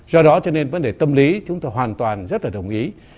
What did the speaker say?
do đó cho nên vấn đề tâm lý chúng ta hoàn toàn rất là đồng ý